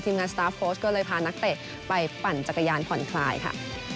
งานสตาร์ฟโฟสก็เลยพานักเตะไปปั่นจักรยานผ่อนคลายค่ะ